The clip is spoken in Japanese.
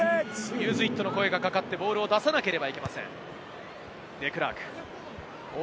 ユーズイットの声がかかって、ボールを出さなければいけません。